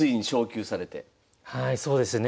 はいそうですね。